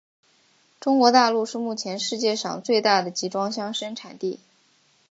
中国大陆是目前世界上最大的集装箱生产地。